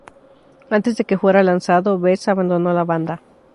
Antes de que fuera lanzado, Bees abandonó la banda.